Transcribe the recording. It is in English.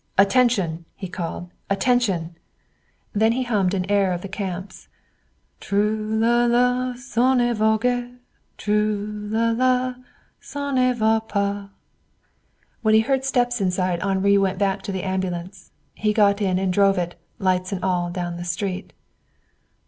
"Attention!" he called. "Attention!" Then he hummed an air of the camps: Trou là là, ça ne va guère; Trou là là, ça ne va pas. When he heard steps inside Henri went back to the ambulance. He got in and drove it, lights and all, down the street.